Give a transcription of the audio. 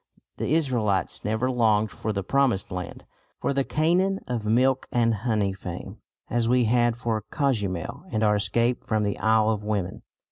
The Israelites never longed for the Promised Land, for the Canaan of milk and honey fame, as we had for Cozumel and our escape from the Isle of Women.